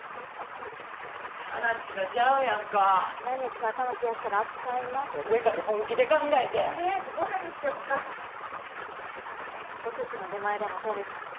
話がちゃうやんか何日か頭冷やしたらあっち帰んな俺かて本気で考えてとりあえずごはんにしよっかおすしの出前でも取る？